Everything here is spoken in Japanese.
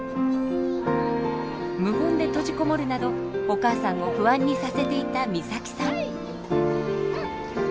無言で閉じこもるなどお母さんを不安にさせていたみさきさん。